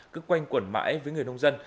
cứ quanh quẩn mãi với người nông dân